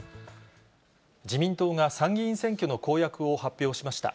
自民党が参議院選挙の公約を発表しました。